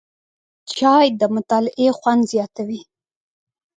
چای د مطالعې خوند زیاتوي